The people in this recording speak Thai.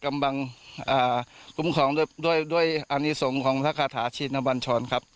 กำบังกลุ่มของด้วยอาริสงค์ของพระกาถาชินตะบันชร